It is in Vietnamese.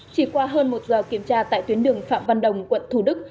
chỉ qua hơn một giờ kiểm tra tại tuyến đường phạm văn đồng quận thủ đức